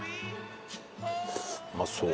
うまそう！